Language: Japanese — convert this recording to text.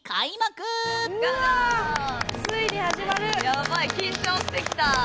ヤバい緊張してきた！